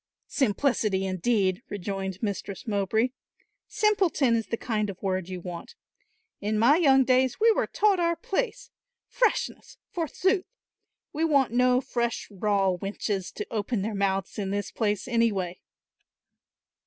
"'Simplicity,' indeed," rejoined Mistress Mowbray, "simpleton is the kind of word you want. In my young days we were taught our place; 'freshness,' forsooth! We want no fresh raw wenches to open their mouths in this place, anyway."